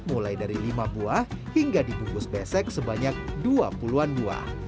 mulai dari lima buah hingga dibungkus besek sebanyak dua puluh an buah